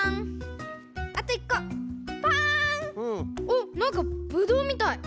おっなんかブドウみたい！